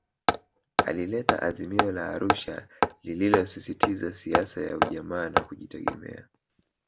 Alileta Azimio la Arusha lililosisitiza siasa ya Ujamaa na Kujitegemea